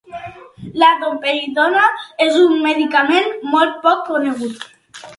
La domperidona és un medicament molt poc conegut.